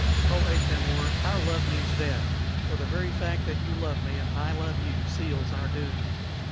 Oh, Atam or, our love means death; for the very fact that you love me and I love you seals our doom!"